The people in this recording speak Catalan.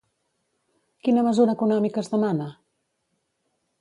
Quina mesura econòmica es demana?